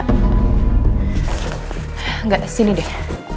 enggak sini deh